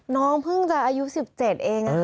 น้องเพิ่งจะอายุ๑๗เอง